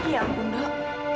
ya ampun dok